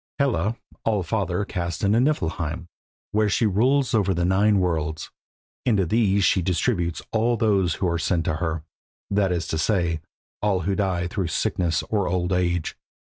Hela All father cast into Niflheim, where she rules over nine worlds. Into these she distributes all those who are sent to her, that is to say, all who die through sickness or old age.